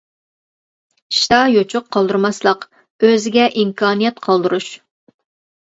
ئىشتا يوچۇق قالدۇرماسلىق، ئۆزىگە ئىمكانىيەت قالدۇرۇش.